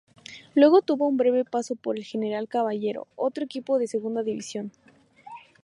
Luego tuvo un breve paso por el General Caballero, otro equipo de Segunda División.